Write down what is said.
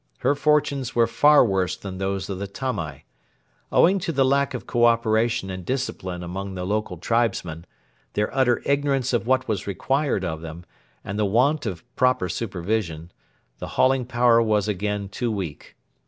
Her fortunes were far worse than those of the Tamai. Owing to the lack of co operation and discipline among the local tribesmen, their utter ignorance of what was required of them, and the want of proper supervision, the hauling power was again too weak.